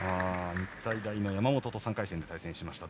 日体大の山本と３回戦で対戦しました。